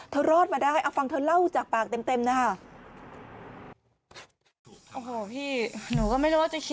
รอดมาได้เอาฟังเธอเล่าจากปากเต็มนะคะ